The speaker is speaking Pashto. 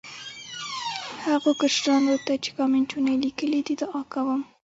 هغو کشرانو ته چې کامینټونه یې لیکلي دي، دعا کوم.